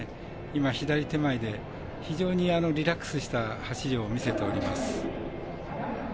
今、左手前で非常にリラックスした走りを見せております。